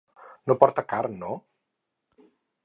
No porta carn, no?